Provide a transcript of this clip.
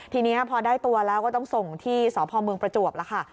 ทีนี้พอได้ตัวแล้วก็ต้องส่งที่สพเมืองประจวบแล้วค่ะ